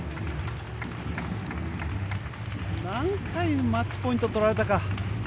何回マッチポイントを取られたか。